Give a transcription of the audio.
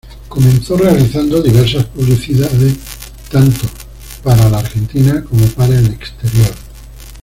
Comenzó realizando diversas publicidades tanto para la Argentina, como para el exterior.